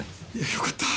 よかったぁ！